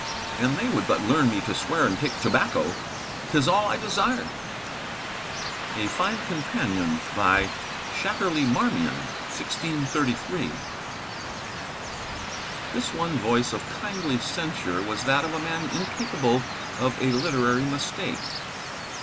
An they would but learn me to swear and take tobacco! 'tis all I desire." 'A fine Companion,' by Shackerley Marmion, 1633. This one voice of kindly censure was that of a man incapable of a literary mistake.